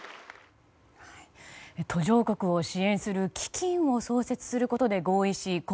途上国を支援する基金を創設することで合意しＣＯＰ